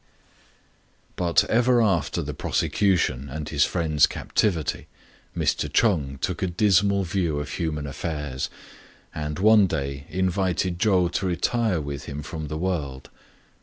But ever after the prosecution and his friend's captivity, Mr. Ch'eng took a dismal view of human affairs, and one day invited Chou to retire with him from the world.